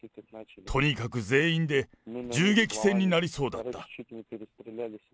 とにかく全員で銃撃戦になりそうだった。